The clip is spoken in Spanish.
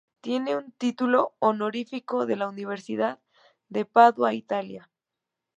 Tiene un título honorífico de la Universidad de Padua, Italia.